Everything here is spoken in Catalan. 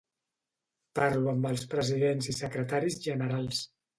Parlo amb els presidents i secretaris generals.